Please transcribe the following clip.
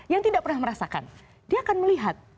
yang tidak pernah merasakan dia akan melihat